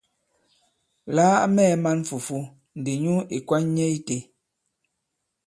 La a mɛɛ̄ man fùfu ndi nyu ì kwan nyɛ itē.